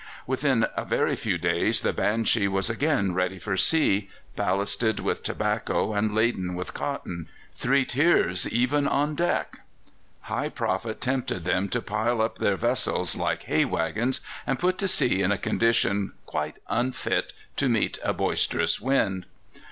Within a very few days the Banshee was again ready for sea, ballasted with tobacco and laden with cotton three tiers even on deck! High profit tempted them to pile up their vessels like hay waggons, and put to sea in a condition quite unfit to meet a boisterous wind.